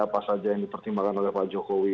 apa saja yang dipertimbangkan oleh pak jokowi